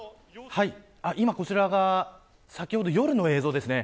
今、こちらが先ほど夜の映像ですね。